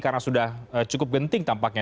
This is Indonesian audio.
karena sudah cukup genting tampaknya